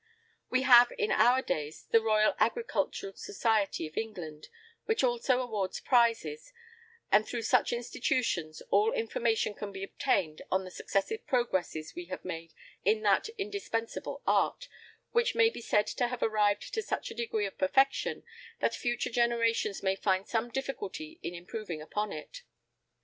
We have, in our days, the Royal Agricultural Society of England, which also awards prizes;[V] and through such institutions all information can be obtained on the successive progresses made in that indispensable art, which may be said to have arrived to such a degree of perfection, that future generations may find some difficulty in improving upon it.